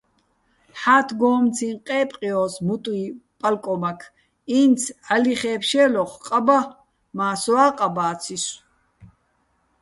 ჰ̦ა́თგო́მციჼ ყე́პყჲო́ს მუტუჲ პალკომაქ, ინც - ჺალიხე́ ფშე́ლოხ - ყა ბა, მა́ სოა́ ყა ბა́ცისო̆!